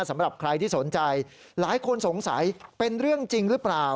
สำหรับใครที่สนใจหลายคนสงสัยเป็นเรื่องจริงหรือเปล่า